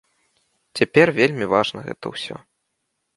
Цяпер вельмі важна гэта ўсё.